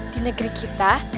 di negeri kita